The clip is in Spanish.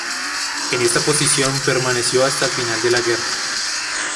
En esta posición permaneció hasta el final de la guerra.